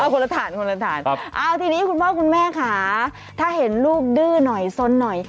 คนละถ่านทีนี้คุณพ่อคุณแม่ค่ะถ้าเห็นลูกดื้อหน่อยสนหน่อย